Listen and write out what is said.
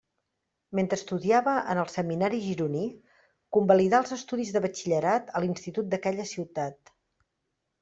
Mentre estudiava en el Seminari gironí, convalidà els estudis de batxillerat a l'Institut d'aquella ciutat.